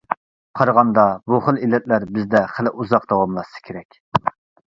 قارىغاندا بۇ خىل ئىللەتلەر بىزدە خېلى ئۇزاق داۋاملاشسا كېرەك.